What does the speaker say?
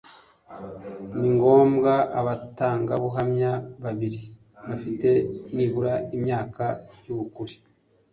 ni ngombwa abatangabuhamya babiri bafite nibura immyaka y'ubukure